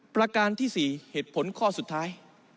ประการที่๔เหตุผลข้อสุดท้าย